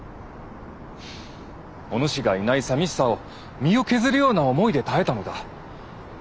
おぬしがいない寂しさを身を削るような思いで耐えたのだ。